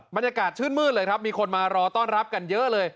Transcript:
บรรยากาศชื่นมืดเลยครับมีคนมารอต้อนรับกันเยอะเลย